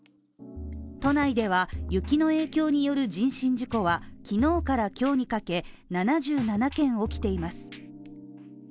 都内では雪の影響による人身事故は昨日から今日にかけ、７７件起きています。